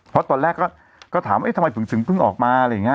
เพราะตอนแรกก็ถามทำไมพิงถึงเพิ่งออกมา